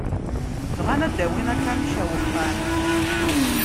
Bɣan ad d-awin aknic ar wexxam.